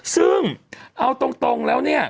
ซึ่งเอาตรงแล้วเนี่ย